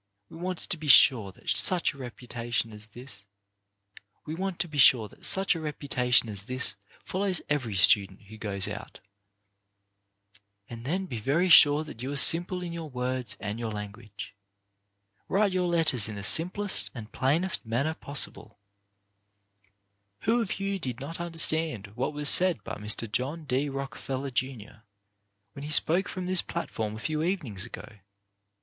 We want to be sure that such a reputation as this follows every student who goes out. 4 o CHARACTER BUILDING And then be very sure that you are simple in your words and your language. Write your letters in the simplest and plainest manner possi ble. Who of you did not understand what was said by Mr. John D. Rockefeller, Jr., when he spoke from this platform a few evenings ago